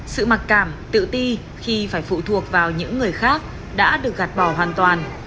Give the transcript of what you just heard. sự mặc cảm tự ti khi phải phụ thuộc vào những người khác đã được gạt bỏ hoàn toàn